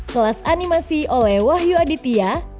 kelas animasi oleh wahyu aditya